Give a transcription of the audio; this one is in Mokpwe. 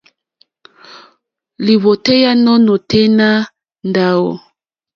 Lìwòtéyá nù nôténá ndáwò.